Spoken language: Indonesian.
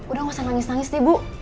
udah gak usah nangis nangis nih bu